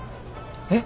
えっ？